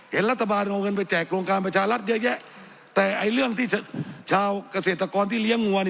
เห็นรัฐบาลเอาเงินไปแจกโรงการประชารัฐเยอะแยะแต่ไอ้เรื่องที่ชาวเกษตรกรที่เลี้ยงวัว